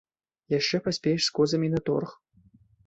Яшчэ паспееш з козамі на торг!